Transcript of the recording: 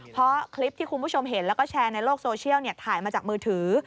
เพราะคลิปที่คุณผู้ชมเห็นแล้วก็แชร์ในโลกโซเชียลถ่ายมาจากมือถือ